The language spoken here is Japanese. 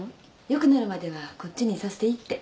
良くなるまではこっちにいさせていいって。